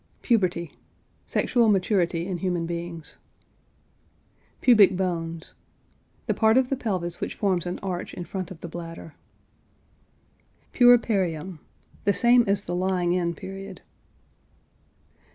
PUBERTY. Sexual maturity in human beings. PUBIC BONES. The part of the pelvis which forms an arch in front of the bladder. PUERPERIUM. The same as the lying in period.